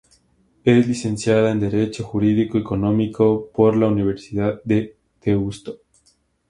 Es licenciada en Derecho Jurídico Económico por la Universidad de Deusto.